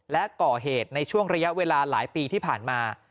และก่อเหตุในช่วงระยะเวลาหลายปีที่ผ่านมา